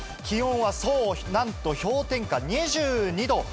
気温は、そう、なんと氷点下２２度。